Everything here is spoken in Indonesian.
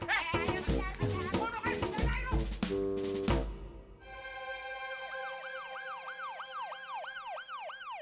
eh jangan lari lo